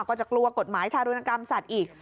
ก็จะกลัวกฎหมายทารุณกรรมสัตว์อีก